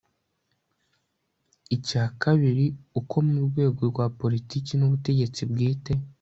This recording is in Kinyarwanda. icya kabili uko mu rwego rwa politiki n'ubutegetsi bwite